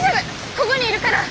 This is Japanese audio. こごにいるから！